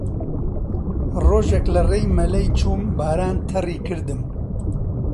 ڕۆژێک لە ڕێی مەلەی چۆم باران تەڕی کردم